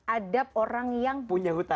adab orang yang punya hutang